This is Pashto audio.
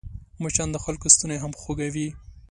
مچان د خلکو ستونی هم خوږوي